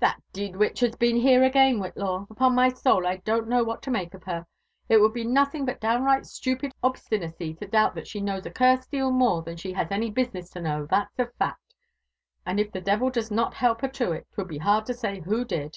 "Thald d witch has been here again, Whillaw. Upon my soul I don't know what to make of her. It would be nothing but downright stupid obstinacy to doubt that she knows a cursed deal more than she has any business to know, that's a fact: and if the devil does not help her to it, 'twould be hard to say who did."